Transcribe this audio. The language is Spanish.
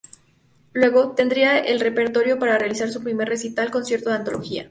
Luego, tendría el repertorio para realizar su primer recital, "Concierto de Antología".